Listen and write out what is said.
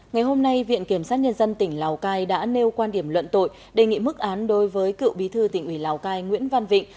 ngày hôm nay viện kiểm sát nhân dân tỉnh lào cai đã nêu quan điểm luận tội đề nghị mức án đối với cựu bí thư tỉnh ủy lào cai nguyễn văn vịnh